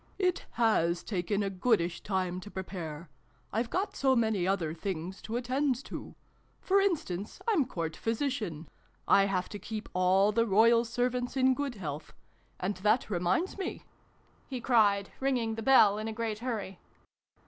" It has taken a goodish time to prepare. I've got so many other things to attend to. For instance, I'm Court Physician. I have to keep all the Royal Servants in good health and that reminds me !" he cried, ringing the bell in a great hurry.